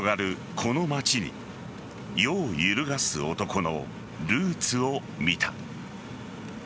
この街に世を揺るがす男のルーツを見た。